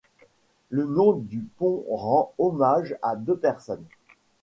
Le nom du pont rend hommage à deux personnes.